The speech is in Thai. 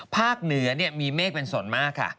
เหนือมีเมฆเป็นส่วนมากค่ะ